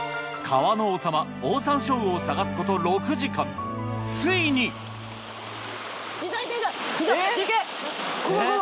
川の王様オオサンショウウオを探すこと６時間ついにここここ！